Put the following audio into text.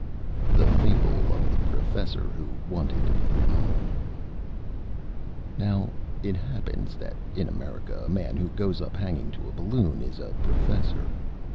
_ THE FABLE OF THE PROFESSOR WHO WANTED TO BE ALONE Now it happens that in America a man who goes up hanging to a Balloon is a Professor.